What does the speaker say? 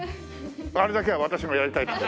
あれだけは私がやりたいって。